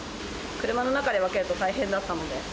車の中で分けると大変だったので。